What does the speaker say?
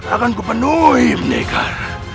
akanku penuhi pendekar